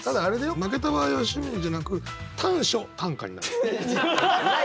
負けた場合は趣味じゃなく短所短歌になる。